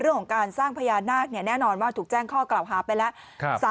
เรื่องของการสร้างพญานาคแน่นอนว่าถูกแจ้งข้อกล่าวหาไปแล้ว